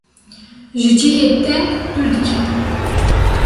ji cihê teng dûr diketim.